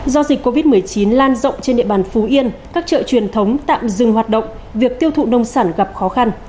do dịch covid một mươi chín lan rộng trên địa bàn phú yên các chợ truyền thống tạm dừng hoạt động việc tiêu thụ nông sản gặp khó khăn